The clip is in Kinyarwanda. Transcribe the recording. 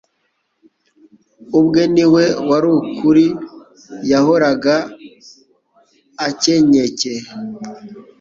Ubwe ni we wari ukuri yahoraga akenycye,